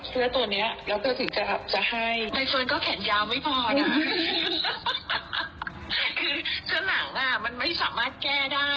เสื้อหนังมันไม่สามารถแก้ได้